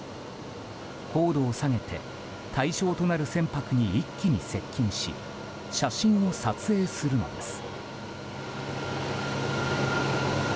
高度を下げて対象となる船舶に一気に接近し写真を撮影するのです。